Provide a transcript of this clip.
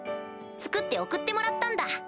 作って送ってもらったんだ。